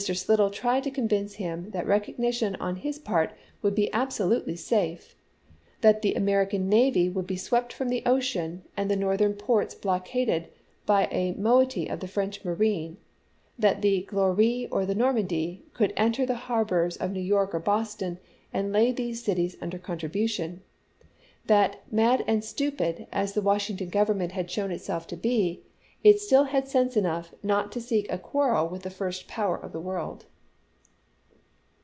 Slidell tried to convince him that recognition on his part would be abso lutely safe ; that the American navy would be swept from the ocean and the Northern ports blockaded by a moiety of the French marine ; that the Gloire or the Normandie could enter the harbors of New York or Boston and lay these cities under contribution ; that " mad and stupid as the Wash ington Government had shown itself to be, it still had sense enough not to seek a quarrel with the first power of the world."